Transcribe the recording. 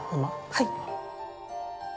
はい。